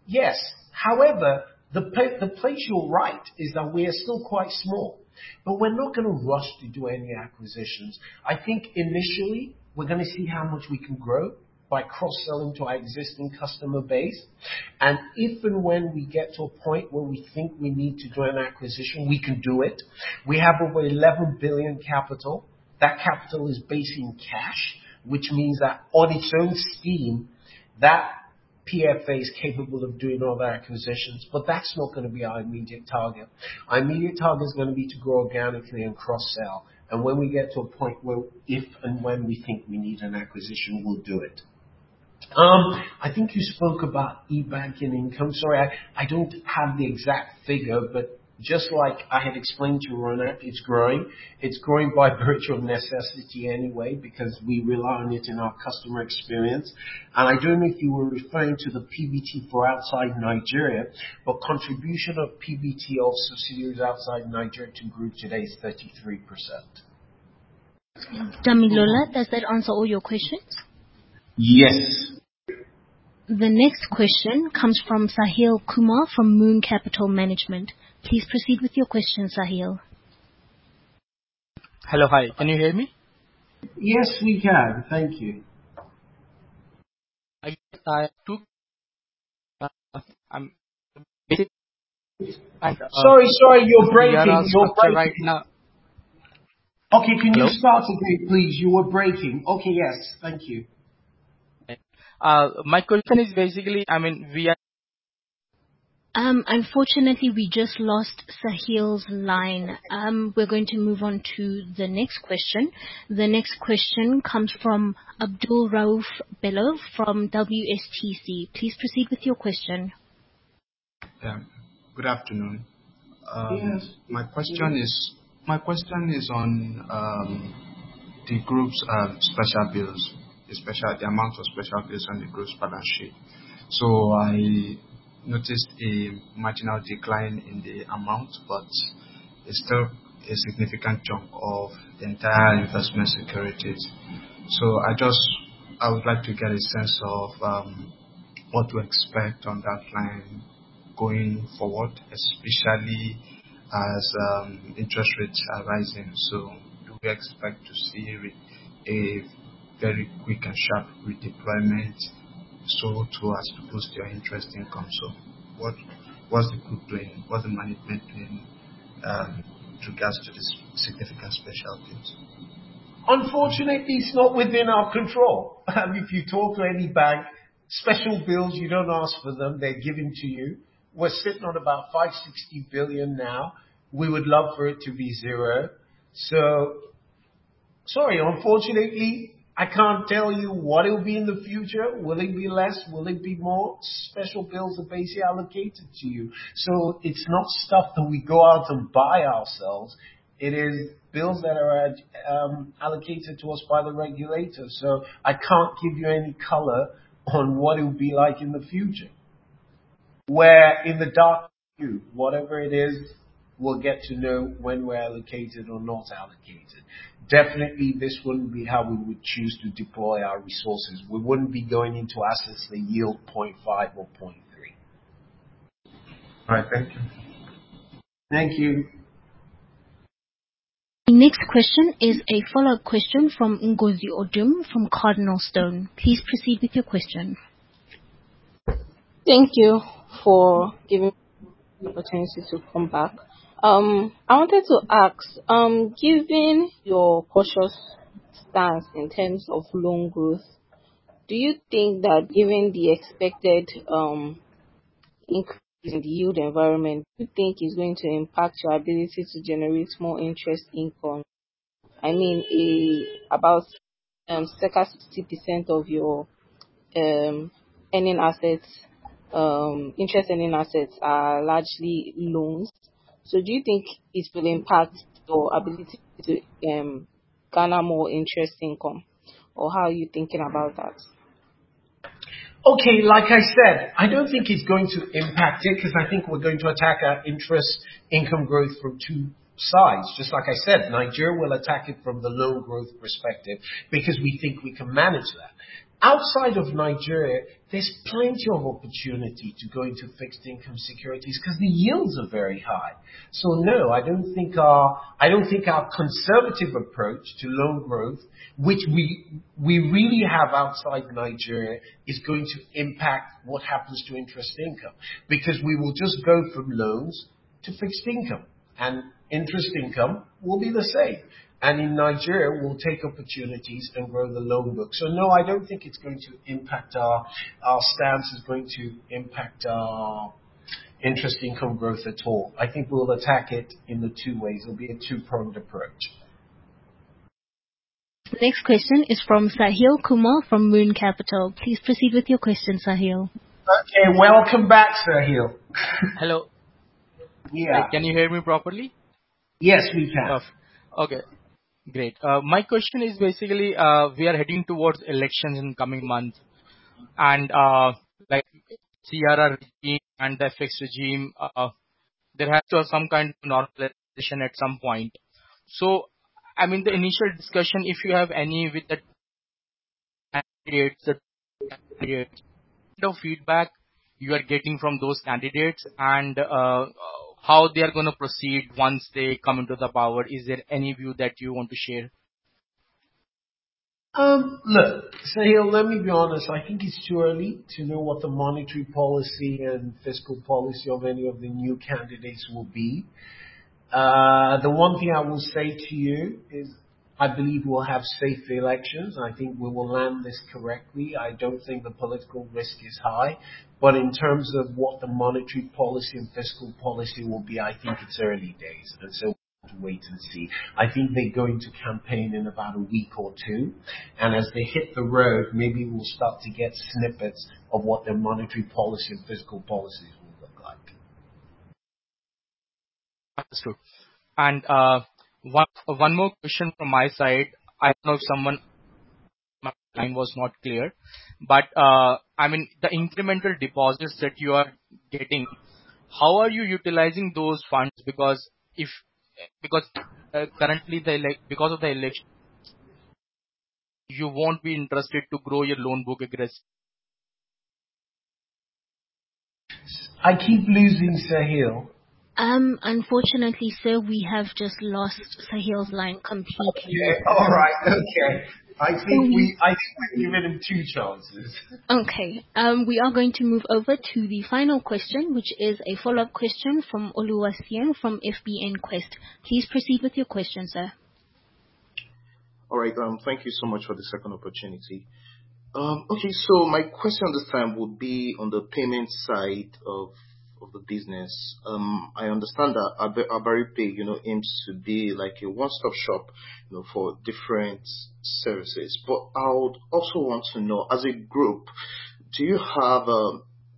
Yes. However, the place you're right is that we are still quite small, but we're not gonna rush to do any acquisitions. I think initially we're gonna see how much we can grow by cross-selling to our existing customer base. If and when we get to a point where we think we need to do an acquisition, we can do it. We have over 11 billion capital. That capital is based in cash, which means that on its own steam, that PFA is capable of doing all of our acquisitions, but that's not gonna be our immediate target. Our immediate target is gonna be to grow organically and cross-sell. When we get to a point where if and when we think we need an acquisition, we'll do it. I think you spoke about e-banking income. Sorry, I don't have the exact figure, but just like I had explained to Ronak, it's growing. It's growing by virtual necessity anyway because we rely on it in our customer experience. I don't know if you were referring to the PBT for outside Nigeria, but contribution of PBT of subsidiaries outside Nigeria to group today is 33%. Damilola, does that answer all your questions? Yes. The next question comes from Sahil Kumar from Moon Capital Management. Please proceed with your question, Sahil. Hello. Hi, can you hear me? Yes, we can. Thank you. I have two. Sorry, you're breaking. Right now. Okay. Hello? Start again, please? You were breaking. Okay. Yes. Thank you. My question is basically, I mean, we are. Unfortunately we just lost Sahil's line. We're going to move on to the next question. The next question comes from Abdulrauf Bello from WSTC. Please proceed with your question. Yeah. Good afternoon. Yes. My question is on the group's Special Bills. The amount of Special Bills on the group's balance sheet. I would like to get a sense of what to expect on that line going forward, especially as interest rates are rising. Do we expect to see a very quick and sharp redeployment so as to boost your interest income? What is the group doing? What is the management doing in regards to the significant Special Bills? Unfortunately, it's not within our control. If you talk to any bank, Special Bills, you don't ask for them, they're given to you. We're sitting on about 560 billion now. We would love for it to be zero. Sorry, unfortunately, I can't tell you what it'll be in the future. Will it be less? Will it be more? Special Bills are basically allocated to you. It's not stuff that we go out and buy ourselves. It is bills that are allocated to us by the regulator, so I can't give you any color on what it would be like in the future. We're in the dark too. Whatever it is, we'll get to know when we're allocated or not allocated. Definitely, this wouldn't be how we would choose to deploy our resources. We wouldn't be going into assets that yield 0.5% or 0.3%. All right. Thank you. Thank you. The next question is a follow-up question from Ngozi Odum from CardinalStone. Please proceed with your question. Thank you for giving me the opportunity to come back. I wanted to ask, given your cautious stance in terms of loan growth, do you think that given the expected increase in the yield environment, do you think it's going to impact your ability to generate more interest income? I mean, about 60% of your earning assets, interest earning assets are largely loans. Do you think it will impact your ability to garner more interest income, or how are you thinking about that? Okay. Like I said, I don't think it's going to impact it, 'cause I think we're going to attack our interest income growth from two sides. Just like I said, Nigeria will attack it from the loan growth perspective because we think we can manage that. Outside of Nigeria, there's plenty of opportunity to go into fixed income securities 'cause the yields are very high. No, I don't think our conservative approach to loan growth, which we really have outside Nigeria, is going to impact what happens to interest income. Because we will just go from loans to fixed income, and interest income will be the same. In Nigeria, we'll take opportunities and grow the loan book. No, I don't think it's going to impact our stance is going to impact our interest income growth at all. I think we'll attack it in the two ways. It'll be a two-pronged approach. Next question is from Sahil Kumar from Moon Capital. Please proceed with your question, Sahil. Okay. Welcome back, Sahil. Hello. Yeah. Can you hear me properly? Yes, we can. Okay, great. My question is basically, we are heading towards elections in coming months, and like CRR regime and the FX regime, there has to have some kind of normalization at some point. I mean, the initial discussion, if you have any with the candidates, the feedback you are getting from those candidates and how they are gonna proceed once they come into the power. Is there any view that you want to share? Look, Sahil, let me be honest. I think it's too early to know what the monetary policy and fiscal policy of any of the new candidates will be. The one thing I will say to you is I believe we'll have safe elections. I think we will land this correctly. I don't think the political risk is high. In terms of what the monetary policy and fiscal policy will be, I think it's early days, and so we'll have to wait and see. I think they're going to campaign in about a week or two, and as they hit the road, maybe we'll start to get snippets of what their monetary policy and fiscal policies will look like. Understood. One more question from my side. I know someone, my line was not clear, but I mean, the incremental deposits that you are getting, how are you utilizing those funds? Because currently because of the elections, you won't be interested to grow your loan book aggressively. I keep losing Sahil. Unfortunately, sir, we have just lost Sahil's line completely. Yeah, all right. Okay. So- I think we've given him two chances. Okay. We are going to move over to the final question, which is a follow-up question from Oluwaseun from FBNQuest. Please proceed with your question, sir. All right, thank you so much for the second opportunity. Okay, so my question this time would be on the payment side of the business. I understand that HabariPay, you know, aims to be like a one-stop shop, you know, for different services. I would also want to know, as a group, do you have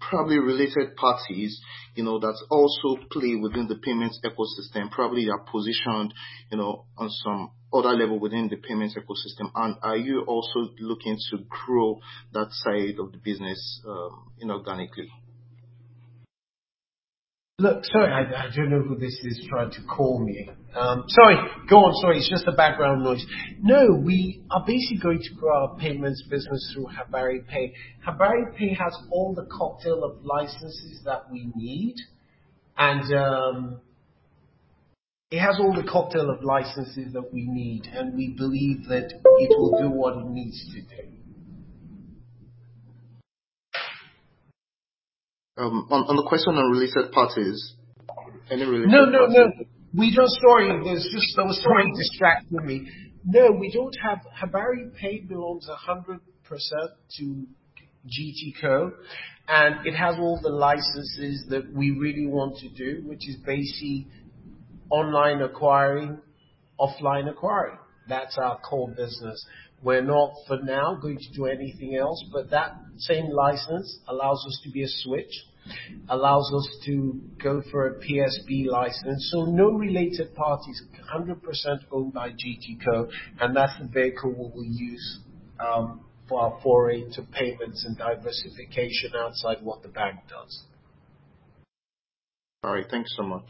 probably related parties, you know, that also play within the payments ecosystem, probably are positioned, you know, on some other level within the payments ecosystem, and are you also looking to grow that side of the business inorganically? Look, sorry, I don't know who this is trying to call me. Sorry, go on. Sorry, it's just the background noise. No, we are basically going to grow our payments business through HabariPay. HabariPay has all the cocktail of licenses that we need, and we believe that it will do what it needs to do. On the question on related parties. Any related parties. No, no. Sorry, there's just someone trying to distract me. HabariPay belongs 100% to GTCO, and it has all the licenses that we really want to do, which is basically online acquiring, offline acquiring. That's our core business. We're not, for now, going to do anything else, but that same license allows us to be a switch, allows us to go for a PSB license. No related parties. 100% owned by GTCO, and that's the vehicle what we use for our foray into payments and diversification outside what the bank does. All right. Thank you so much.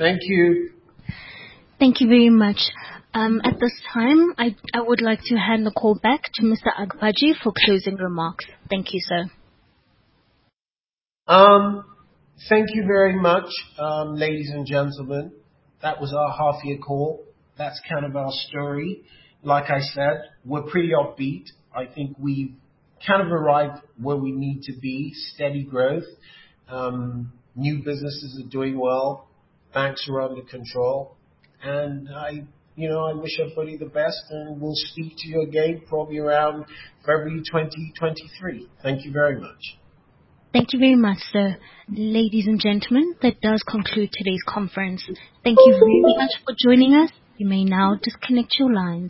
Thank you. Thank you very much. At this time, I would like to hand the call back to Mr. Agbaje for closing remarks. Thank you, sir. Thank you very much, ladies and gentlemen. That was our half year call. That's kind of our story. Like I said, we're pretty upbeat. I think we've kind of arrived where we need to be. Steady growth. New businesses are doing well. Banks are under control. I, you know, I wish everybody the best, and we'll speak to you again probably around February 2023. Thank you very much. Thank you very much, sir. Ladies and gentlemen, that does conclude today's conference. Thank you very much for joining us. You may now disconnect your lines.